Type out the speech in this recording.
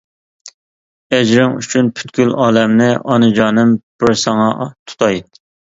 ئەجرىڭ ئۈچۈن پۈتكۈل ئالەمنى، ئانىجانىم بىر ساڭا تۇتاي!